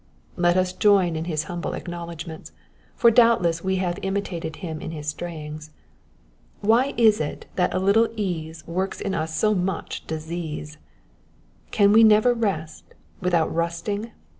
Let us join in his humble acknowledgments, for doubtless we have imitated him in his strayings. Why is it that a little ease works in us so much disease ? Can we never rest without rusting ?